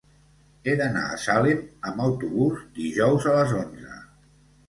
He d'anar a Salem amb autobús dijous a les onze.